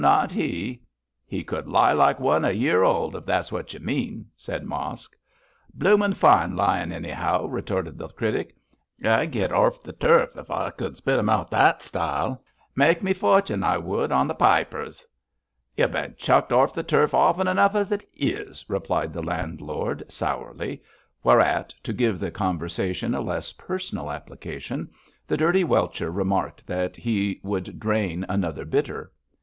not he ' 'He could lie like a one year old, if that's what y' mean,' said Mosk. 'Bloomin' fine lyin', any'ow,' retorted the critic. 'I'd git orf the turf if I cud spit 'em out that style; mek m' fortin', I would, on th' paipers.' 'Y've bin chucked orf the turf often enough as it is,' replied the landlord, sourly, whereat, to give the conversation a less personal application, the dirty welcher remarked that he would drain another bitter.